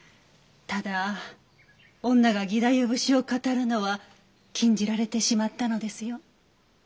ただ女が義太夫節を語るのは禁じられてしまったのですよ。